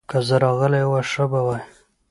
که زه راغلی وای، ښه به وای.